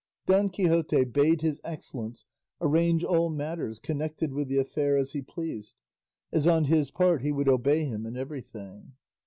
Don Quixote bade his excellence arrange all matters connected with the affair as he pleased, as on his part he would obey him in everything.